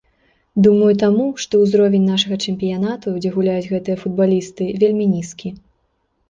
Думаю таму, што узровень нашага чэмпіянату, дзе гуляюць гэтыя футбалісты, вельмі нізкі.